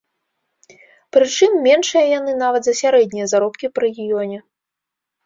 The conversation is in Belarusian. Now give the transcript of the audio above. Прычым, меншыя яны нават за сярэднія заробкі па рэгіёне.